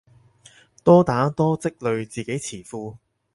多打多積累自己詞庫